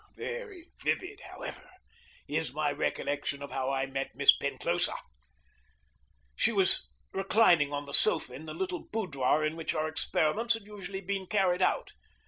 Very vivid, however, is my recollection of how I met Miss Penclosa. She was reclining on the sofa in the little boudoir in which our experiments had usually been carried out.